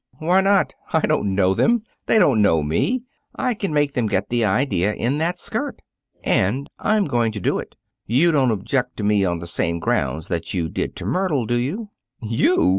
"Why not? I don't know them. They don't know me. I can make them get the idea in that skirt. And I'm going to do it. You don't object to me on the same grounds that you did to Myrtle, do you?" "You!"